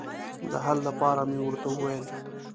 د حل لپاره مې ورته وویل.